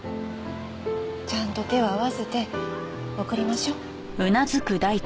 ちゃんと手を合わせて送りましょう。